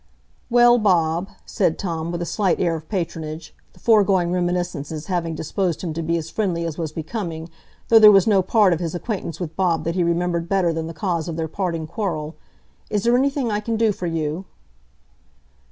"Well, Bob," said Tom, with a slight air of patronage, the foregoing reminscences having disposed him to be as friendly as was becoming, though there was no part of his acquaintance with Bob that he remembered better than the cause of their parting quarrel; "is there anything I can do for you?"